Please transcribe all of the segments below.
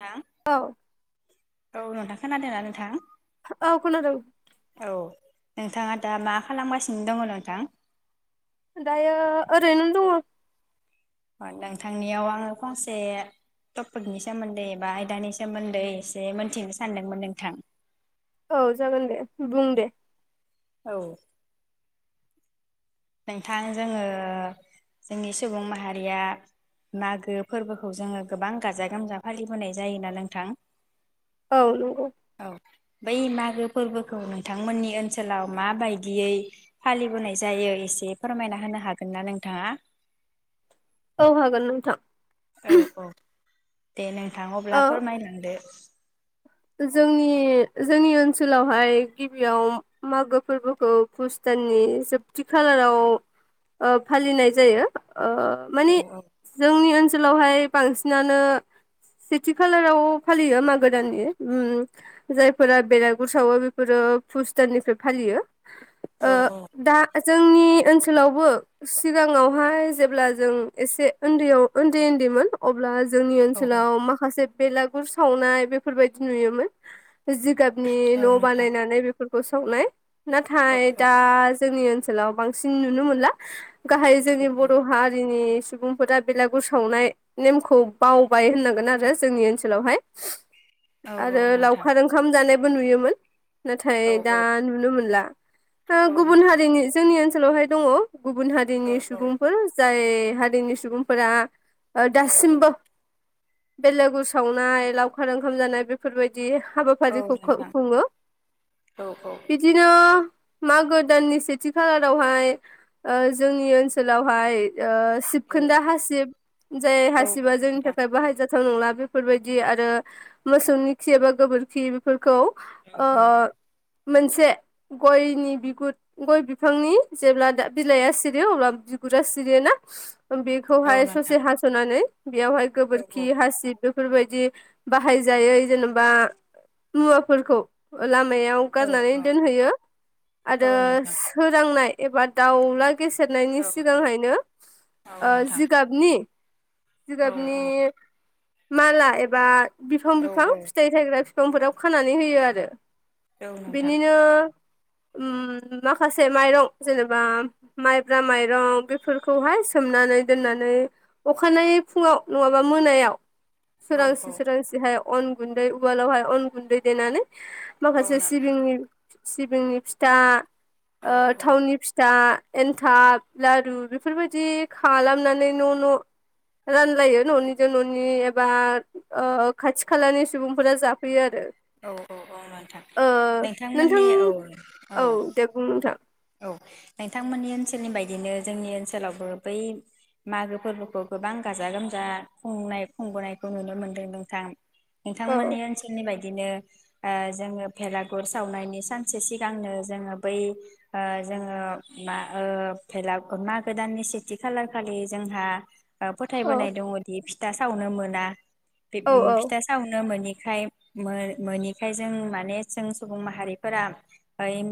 हां औ औ नोंथां खोनादोंना नोंथां औ खोनादों औ नोंथाङा दा मा खालामगासिनो दङ नोंथां दायो ओरैनो दङ अ नोंथांनियाव आङो फंसे टपिकनि सोमोन्दै एबा आयदानि सोमोन्दै एसे मोनथिनो सानदोंमोन नोंथां औ जागोन दे बुं दे औ नोंथां जोङो जोंनि सुबुं माहारिया मागो फोरबोखौ जोङो गोबां गाजा गोमजा फालिबोनाय जायोना नोंथां औ नंगौ औ बै मागो फोरबोखौ नोंथांमोननि ओनसोलाव माबायदियै फालिबोनाय जायो एसे फोरमायना होनो हागोन ना नोंथाङा औ हागोन नोंथां औ औ दे नों थां ओ अब्ला फोरमायलांदो जोंनि जोंनि ओनसोलावहाय गिबियाव मागो फोरबोखौ पुस दाननि जोबथि खालाराव ओ फालिनाय जायो ओ औ माने जोंनि ओनसो ओनसोलावहाय बांसिनानो सेथि खालाराव फालियो मागो दाननि उम जायफोरा बेरगुर सावो बेफोरो फुस दाननिफ्राय फालियो ओ औ दा जोंनि ओनसोलावबो सिगाङावहाय जेब्ला जों एसे उन्दैयाव उन्दै उन्दैमोन अब्ला जोंनि औ ओनसोलाव माखासे बेलागुर सावनाय बेफोर बाय नुयोमोन जिगाबनि औ न' नोंथां बानायनानै बे फोरखौ सावनाय औ नाथाय औ दा जोंनि ओनसोलाव बांसिन नुनो मोनला गाहाय जोंनि बर' हारिनि सुबुंफोरा बेलागुर सावनाय नेमखौ बावबाय होननांगोन आरो जोंनि ओनसोलावहाय औ औ आरो नोंथां लावखार ओंखाम जानाय बो नुयोमोन नाथाय औ दा औ नुनो मोनला सो औ गुबुन नोंथां हारिनि जोंनि ओनसोल ओनसोलावहाय दङ गुबुन हारिनि सुबुंफोर जाय जाय हारिनि सुबुंफोरा ओ औ दासिमबो बेलागुर सावनाय लावखार ओं ओंखाम जानाय बेफोरबायदि औ हाबाफारिखौ खं नोंथां खुङो औ औ बिदिनो मागो दाननि सेथि खालारावहाय ओ जोंनि ओनसोलावहाय ओ सिबखोनदा हासिब जाय औ नोंथां औ हासिबा जोंनि नोंथां थाखाय बाहायजा थ' नंला बेफोरबायदि आरो मोसौनि खि एबा गोबोरखि बेफोरखौ औ औ ओ मोनसे गयनि बिगुर गय बिफांनि जेब्ला दा बिलाइआ सिरियो अब्ला बिगुरा सिरियोना औ बेखौहाय नोंथां ससे हास'नानै बेयावहाय औ औ औ गोबोरखि हासिब बेफोरबायदि बा बाहाय जायै जेनेबा मुवाफोरखौ लाम मायाव गारनानै दोनहैयो आरो नोंथां सोरांनाय एबार दावलाय गेसेेरनायनि औ औ सिगांहायनो औ औ ओ नोंथां औ नोंथां जिगाबनि औ औ जिगाबनि माला एबा बिफां औ बिफां फिथाय थायग्रा बिफांफोराव खानानै होयो आरो बेनिनो ओम माखासे माइरं जेनेबा माइब्रा माइरं बेफोरखौहाय सोमनानै दोननानै अखानायै फुङाव नङाबा मोनायाव सोरांसि जैहाय अन गुन्दै उवालावहाय अन गुन्दै देनानै माखासे नोंथां सिबिंनि सिबिंनि फिथा ओ थावनि फिथा एन्थाब लारु बेफोरबायदि खालामनानै न' न' रानलायो न'निजों न'नि एबा ओ खाथि खालानि सुबुंफोरा जाफैयो आरो औ औ औ नोंथां ओ नोंथां नोंथांमोननि औ औ दे बुं नोंथां औ नोंथांमोननि ओनसोलनि बायदिनो जोंनि ओनसोलावबो बै मागो फोरबोखौ गोबां गाजा गोमजा खुंनाय खुंबोनायखौ नुनो मोनदों नोंथां औ नोंथांमोननि ओनसोलनि बायदि बिदिनो ओ जोङो भेलागुर सावनायनि सानसे सिगांनो जोङो बै ओ जोङो मा ओ फेलागुर मागो दाननि सेथि खालार खालि जोंहा औ फोथायबोनाय दङदि फि था सावनो मोना बेब औ औ फिथा सावनो मोनि बेखाय मो मोनिखाय जों माने जों सुबुं माहारिफोरा बाय ओम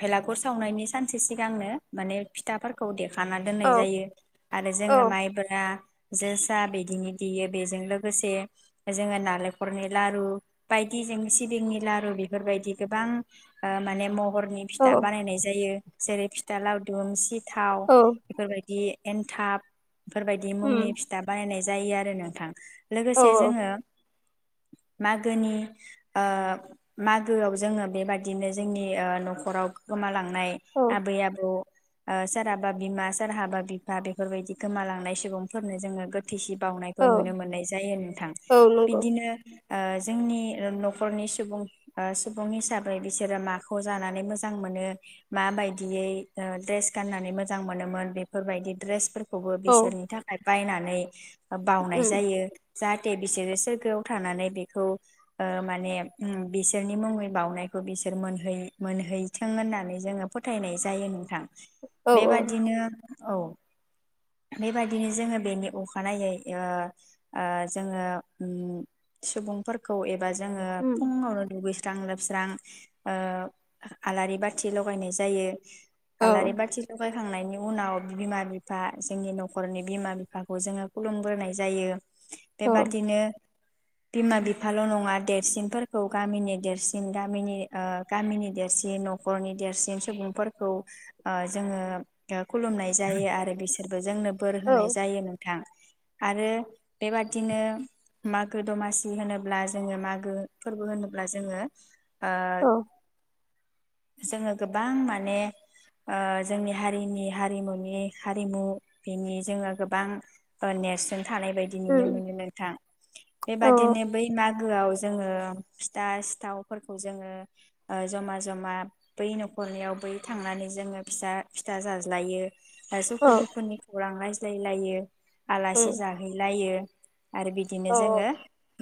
भेलागुर सावनायनि सानसे सिगांनो माने फिथाफोरखौ दे खाना औ दोननाय जायो आरो औ जोङो माइब्रा जोसा बिदिनो देयो बेजों लोगोसे जोङो नालेंखरनि लारु बायदि जों सिबिंनि लारु बेफोरबायदि गोबां माने महर औ फिथा बानायनाय जायो जेरै फिथा लावदुम सिब थाव औ इफोरबायदि एन्थाब बेफोरबायदि मुंनि उम फिथा बायनाय जायो आरो नोंथां औ लोगोसे जोङो मागोनि ओ मागोआव जोङो बेबादिनो जोंनि ओ न'खर खराव गोमालाङो थांनाय औ आबै आबौ ओ सोरहाबा बिमा सोरहाबा बिफा बेफोरबायदि गोमालांनाय सुबुंफोरनो जोङो गोथैसि बावनायखौ औ नुनो मोननाय जायो नोंथां औ नंगौ बिदिनो ओ जोंनि न'खरनि सुबुं सुबुं हिसाबै बिसोरो माखौ जानानै मोजां मोजां मोनो मा बायदियै द्रेस गाननानै मोजां मोनोमोन बेफोरबायदि द्रेस फोर खौबो औ बिसोरनि थाखाय बायनानै बावनाय उम जायो जाहाथे बिसोरो सोरगोआव थानानै बेखौ ओ माने बिसोरनि मुङै बावउनायखौ बिसोर मोनहै मोनहै थों होननानै जोङो फोथायनाय जायो नोंथां औ औ बेबादिनो औ बेबायदिनो जोङो बेनि अखानायै ओ ओ जोङो उम सुबुंफोरखौ एब बा जोङो उम फुावनो दुगै स्रां लोबस्रां ओ आलारि बाथि लगायनाय जायो। औ आलारि बाथि लगाय खांनायनि उनाव बिमा बिफा जोंनि न'खरनि बिमा बिफाखौ जोङो खुलुमग्रोनाय जायो। औ बेबादिनो बिमा बिफाल' नङा देरसिनफोरखौ गामिनि देरसिन गामिनि गामिनि देरसिन जि न'खरनि देरसिन सुबुंफोरखौ ओ जोङो ओ खुलुमनाय जायो आरो बिसोरबो जोंनो बोर होनाय जायो नोंथां आरो बेबादिनो मागो दमासि होनोब्ला जोङो मागो फोरबो होनोब्ला जोङो। ओ उम औ जोङो गोबां माने ओ जोंनि हारिनि हारिमुनि हारिमु बिनि जोङो गोबां नेरसोन थानाय बायदि नुनो उम मोनो नोंथां औ बेबादिनो बै माग गोआव जोङो फिथा सिथावफोरखौ जोङो ओ जमा जमा बै न'खरनियाव बै थांनानै जोङो फिसा फिथा जाज्लायो सुखु दुखुनि खौरां बुंलायलायो आलासि जाहैलायो आरो बिदिनो जोङो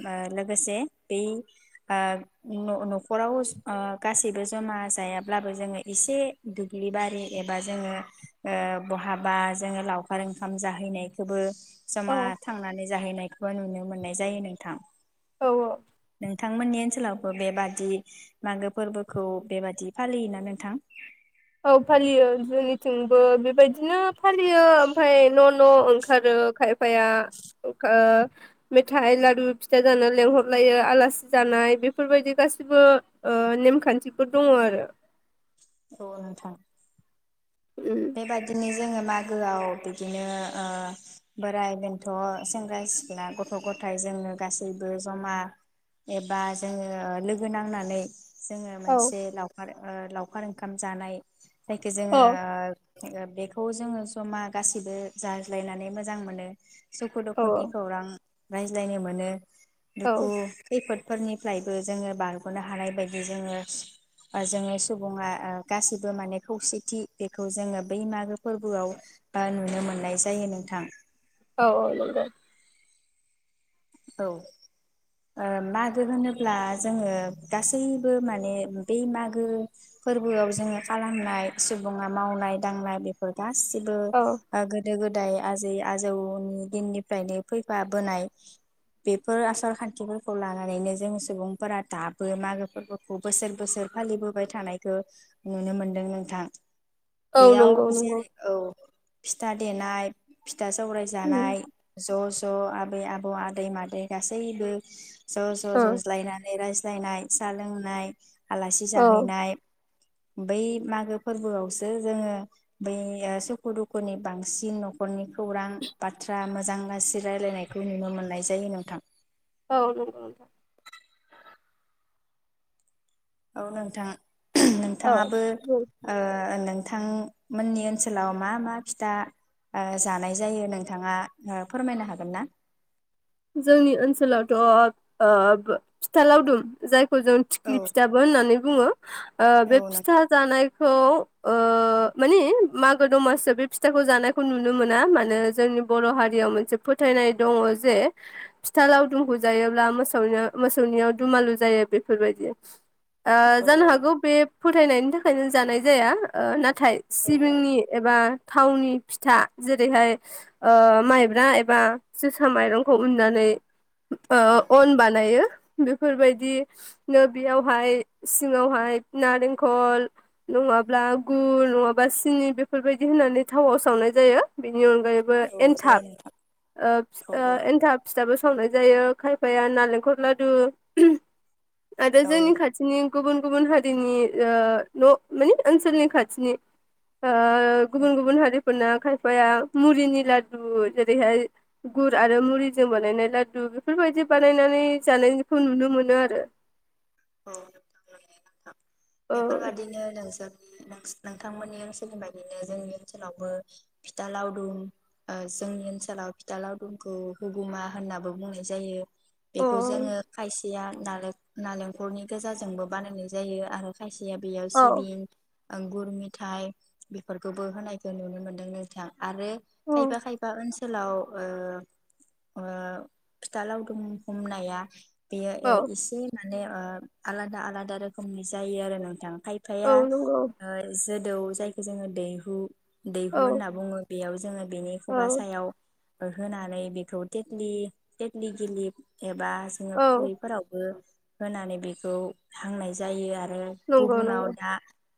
बा लोगोसे बै ओ न-न'खराव गासै ओ सिबो जमा जायाब्लाबो जोङो एसे दुब्लि बारि एबा जोङो ओ बहाबा जोङो लावखार ओंखाम जाहैनायखौबो जमा थांनानै जाहैनायखौबो नुनो मोननाय जायो नोंथां। औ नोंथांमोननि ओनसोलावबो बेबादि मागो फोरबो खौ बेबादि फालियोना नोंथां औ फालियो जोंनिथिंबो बेबायदिनो फालियो ओमफ्राय न न' ओंखारो खायफाया मेथाइ लारु फिथा जानो लेंहरलायो आलासि जानाय बेफोरबायदि गासिबो ओ नेमखान्थिफोर दङ आरो अ नोंथां उम बे बादिनो जोङो मागोआव बिदिनो ओ बोराइ बेन्थ' सेंग्रा सिख्ला गथ' गथाय जोंनो गासैबो जमा एबा जोङो लोगो नांनानै जोङो औ मोनसे लावखार लावखार ओंखाम जानाय जायखो औ जोङो। बेखौ जोङो जा गासैबो जाज्लायनानै मोजां मोनो। सुखु औ दुखुनि खौरां रायज्लायनो मोनो। औ दुखु खैफोद फोरनिफ्रायबो जोङो बारग'नो हानाय बायदि जोङो ओ जोङो सुबुङा ओ गासिबो माने खौसेथि बेखौ खौ जोङो बै मागो फोरबोआव ओ नुनो मोननाय जायो नोंथां। औ औ नंगौ। औ ओ मागो होनोब्ला जोङो गासैबो माने बै मागो फोरबोआव जोङो खालामनाय सुबुङा मावनाय दांनाय बेफोर गासिबो औ ओ गोदो गोदाय दाय आजै आजौनि दिननिफ्रायनो फैफा बोनाय बेफोर आसार खान्थिफोरखौ लानानैनो जों सुबुंफोरा दाबो मागो फोरबोखौ बोसोर बोसोर फालिबोबाय थानायखौ नुनो मोनदों नोंथां। औ बेयाव नंगौ नंगौ जेरै औ फिथा देनाय फिथा सौराय उम जानाय ज' ज' ज' आबै आबौ आदै मादै गासैबो ज ज ओ जज्लायनानै राय बुजायनाय सा लोंनाय आलासि औ जाहैनाय बै मागो फोरबोआवसो जोङो बै सुखु दुखुनि बांसिन न'खरनि खौरां बाथ्रा मोजां गाज्रि रायलायनायखौ नुनो मोननाय जायो। जायो नोंथां औ नंगौ। ओ नोंथां नोंथाङाबो औ ओ नों नोंथांमोननि ओनसोलाव मा मा फिथा ओ जानाय जायो नोंथाङा फोरमायनो हागोन ना? जोंनि ओनसोलावथ' ओ फिथा लावदुम जाय जों औ थिख्लि फिथाबो होननानै बुङो आ बे औ फिथा नोंथां जानाय खौ ओ माने मागो दमासिआव बे फिथाखौ जानायखौ नुनो मोना माने जोंनि बर' हारियाव मोनसे फोथायनाय दङ जे फिथा लावदुमखौ जायोब्ला मोसौनिया मोसौनियाव दुमालु जायो बेफोरबायदि ओ औ जानो हागौ बे फोथायनायनि थाखायनो जानाय जाया ओ ना? नाथाय औ सिबिंनि एबा थावनि फिथा जेरैहाय ओ माइब्रा एबा जोसा माइरं खौ उननानै औ ओ अन बानायो। बेफोरबायदि नो बेयावहाय सिङावहाय नारेंखल नङाब्ला गुर नङाब्ला सिनि बेफोरबायदि होननानै थावाव सावनाय जायो। नि अनगायैबो औ जायो एनथाब नोंथां ओबस औ एन फिथाबो संनाय जायो खायफाया नालेंखर लादु आरो औ जोंनि खाथिनि गुबुन गुबुन हारिनि ओ न' माने ओनसोलनि खाथिनि ओ गुबुन गुबुन हारिफोरना खाय या मुरिनि लादु जेरैहाय गुर आरो मुरि जों बानायनाय लाडु बेफोरबायदि बानायनानै जानायखौ नुनो मोनो आरो औ नोंथां मानोना औ बेफोर बायदिनो नोंसोर नोस नोंथांमोननि ओनसोलनि बायदिनो जोंनि ओनसोलावबो फिथा लावदुम जोंनि ओनसोलाव फिथा लावदुमखौ हुगुमा होननाबो बुंनाय जायो। अ बेखौ जोङो खाय निया नालें नालें खरनि गोजाजोंबो बानायनाय जायो आरो। खायसेया बेयाव औ सिबिन आंगुर मिथाइ बेफोरखौबो होनायखौ नुनो मोन्दों नोंथां आरो खायफा खायफा ओनसोल सोलाव ओ ओ फिथा लावदुम हमनाया बेया औ इसे माने ओ आलादा आलादा रोखोमनि जायो आरो नोंथां। औ खायफाया नंगौ ओ जो दौ जायखौ जोङो दैहु दैहु औ होनना बुङो बेयाव जोङो बेनि खुगा औ सायाव होनानै बेखौ थेथ्लि थेथ्लि गिलि एबा जोङो औ खुरैफोरावबो होनानै बेखौ हांनाय जायो आरो। नंगौ गुबुनाव नंगौ दा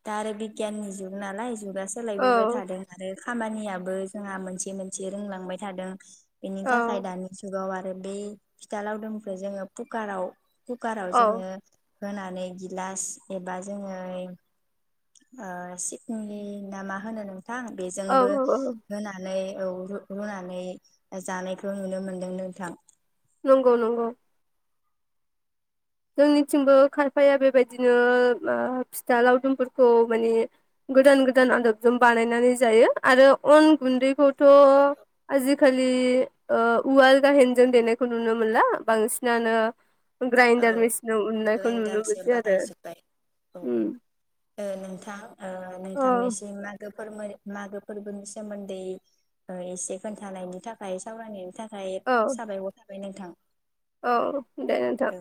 थार बिगाननि जुगनालाय जुगासो औ सोलायबोबाय थादों आरो खामानियाबो जोंहा मोनसे मोनसे रोंलांबाय थादों। बेनि औ थाखाय दानि जुगाव आरो आरो बे फिथा लावदोमनिफ्राय जोङो कुकाराव कुकाराव औ जोङो होनानै गिलास एबा जोङो ओ सिकनिनि ना मा होनो नों थां औ बेजोंबो होनानै औ रु-रुनानै जानायखौ नुनो मोनदों नोंथां नंगौ नंगौ जोंनिथिंबो खायफाया बेबायदिनो फिथा लावदुमफोरखौ माने गोदान गोदान आदबजों बानायनानै जायो आरो अन गुन्दैखौ थ' आजि खालि लि ओ उवाल गाइहहेजोंं देनायखौ नुनो मोनला बांसिनानो औ ग्राइन्डार मेसिनाव उननायखौ नुनो ग्रेन्डारसो मोनसै आरो बाहायजोब्बाय उम ओ नोंथां ओ औ नोंथांनिसिम मागो फोरबो मागो फोरबोनि सोमोन्दै ओ एसे खोन्थानायनि थाखाय सावरायनो थाखाय औ साबायखर थाबाय नोंथां औ दे नोंथां औ